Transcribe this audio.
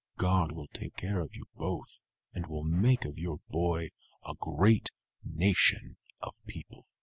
God will take care of you both, and will make of your boy a great nation of people."